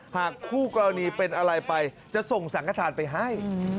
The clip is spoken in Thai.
หากคู่กรณีเป็นอะไรไปจะส่งสังขทานไปให้